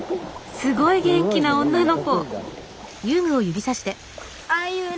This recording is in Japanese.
すごい元気な女の子。